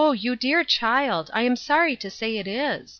you dear child, I am sorry to say it is.